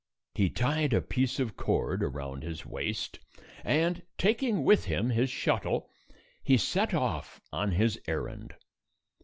He tied a piece of cord around his waist, and, taking with him his shuttle, he set off on his errand.